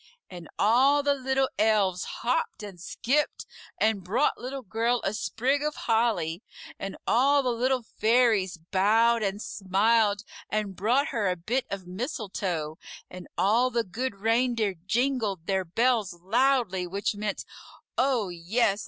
And all the Little Elves hopped and skipped and brought Little Girl a sprig of holly; and all the Little Fairies bowed and smiled and brought her a bit of mistletoe; and all the Good Reindeer jingled their bells loudly, which meant, "Oh, yes!